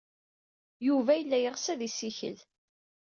Yuba yella yeɣs ad yessikel.